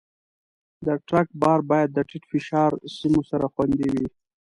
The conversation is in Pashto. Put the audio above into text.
د ټرک بار باید د ټیټ فشار سیمو سره خوندي وي.